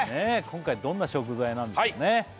今回どんな食材なんですかね